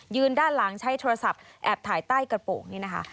ด้านหลังใช้โทรศัพท์แอบถ่ายใต้กระโปรงนี่นะคะ